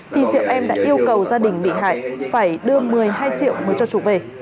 thì diệu em đã yêu cầu gia đình bị hại phải đưa một mươi hai triệu mới cho chủ về